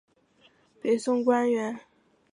北宋官员。